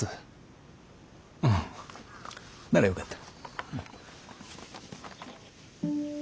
うんならよかった。